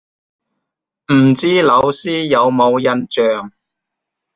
唔知老師有冇印象